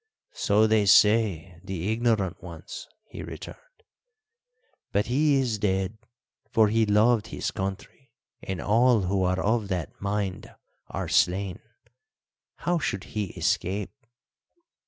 "So they say the ignorant ones," he returned. "But he is dead, for he loved his country, and all who are of that mind are slain. How should he escape?"